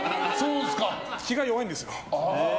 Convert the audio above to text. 気が弱いんですよ。